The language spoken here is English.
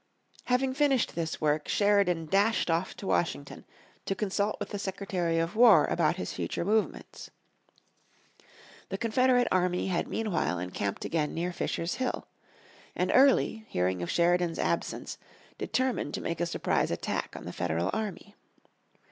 Having finished this work Sheridan dashed off to Washington, to consult with the Secretary of war about his future movements. The Confederate army had meanwhile encamped again near Fisher's Hill. And Early, hearing of Sheridan's absence, determined to make a surprise attack on the Federal army.